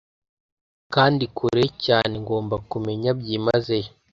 Kandi kure cyanengomba kumenya byimazeyo